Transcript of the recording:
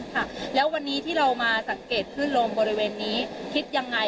ค่ะแล้ววันนี้ที่เรามาสังเกตขึ้นลมบริเวณนี้คิดยังไง